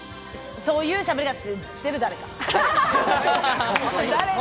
そういうしゃべり方してる誰か。